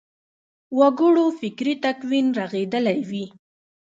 وګړو فکري تکوین رغېدلی وي.